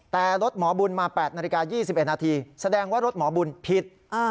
แต่รถหมอบุญมา๘นาฬิกา๒๑นาทีแสดงว่ารถหมอบุญผิด